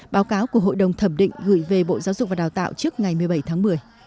báo cáo của hội đồng thẩm định gửi về bộ giáo dục và đào tạo trước ngày một mươi bảy tháng một mươi